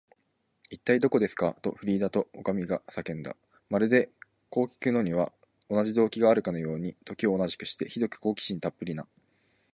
「いったい、どこですか？」と、フリーダとおかみとが叫んだ。まるで、こうきくのには同じ動機があるかのように、時を同じくして、ひどく好奇心たっぷりな